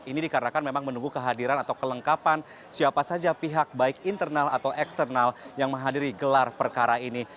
ini dikarenakan memang menunggu kehadiran atau kelengkapan siapa saja pihak baik internal atau eksternal yang menghadiri gelar perkara ini